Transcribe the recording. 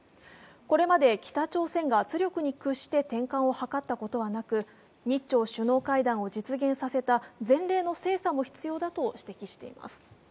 これまで北朝鮮が圧力に屈して転換を図ったことはなく、日朝首脳会談を実現させた前例の精査も必要だと指摘しています。